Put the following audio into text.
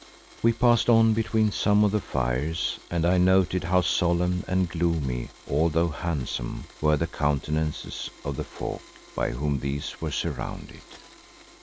We passed on between some of the fires and I noted how solemn and gloomy, although handsome, were the countenances of the folk by whom these were surrounded.